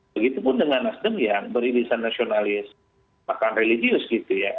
begitu pun dengan nasdem yang beribisan nasionalis bahkan religius gitu ya